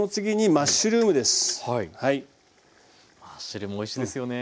マッシュルームおいしいですよね。